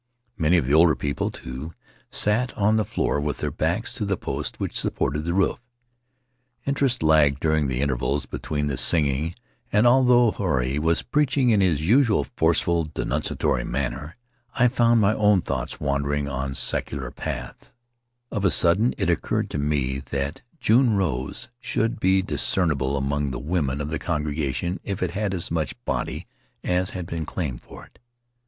Many of the older people, too, sat on the floor with their backs to the posts which supported the roof. Interest lagged during the intervals between the singing, and although Huarai was preaching in his usual forceful, denunciatory manner, I found my own thoughts wandering on secular paths Of a sudden it occurred to me that June Rose should be discernible among the women of the congregation if it had as much body as had been claimed for it.